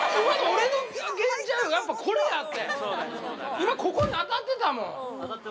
今ここに当たってたもん。